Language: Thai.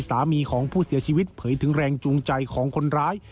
สามีของผู้เสียชีวิตเผยถึงแรงจูงใจของคนร้าย